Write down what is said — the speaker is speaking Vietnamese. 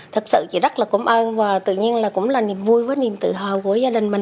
thật sự chị rất là cảm ơn và tự nhiên là cũng là niềm vui với niềm tự hào của gia đình mình